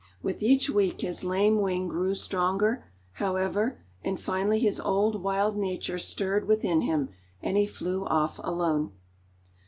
With each week his lame wing grew stronger, however, and finally his old, wild nature stirred within him, and he flew off alone.